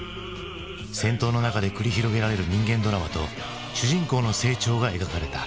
戦闘の中で繰り広げられる人間ドラマと主人公の成長が描かれた。